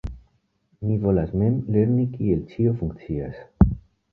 Mi volas mem lerni kiel ĉio funkcias.